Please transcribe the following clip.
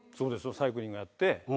サイクリングやって。